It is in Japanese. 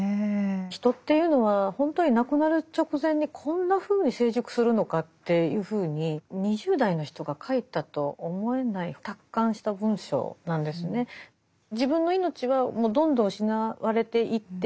人っていうのは本当に亡くなる直前にこんなふうに成熟するのかっていうふうに２０代の人が書いたと思えない達観した文章なんですね。というのがありましたね。